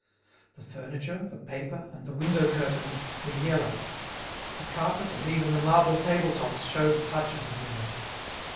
The furniture, the paper, and the window curtains were yellow; the carpet and even the marble table tops showed touches of yellow.